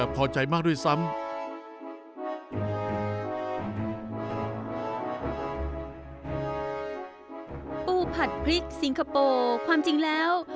ผัดพริกสิงคโปร์ความจริงแล้ว